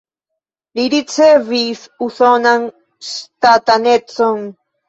Li ricevis usonan ŝtatanecon.